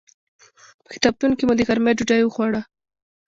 په کتابتون کې مو د غرمې ډوډۍ وخوړه.